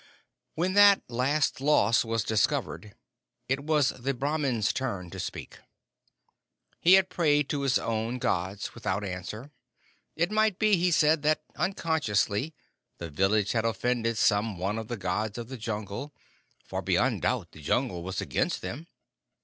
When that last loss was discovered, it was the Brahmin's turn to speak. He had prayed to his own Gods without answer. It might be, he said, that, unconsciously, the village had offended some one of the Gods of the Jungle, for, beyond doubt, the Jungle was against them.